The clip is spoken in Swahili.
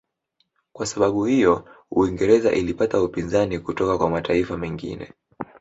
Kwa sababu iyo Uingereza ilipata upinzani kutoka kwa mataifa mengine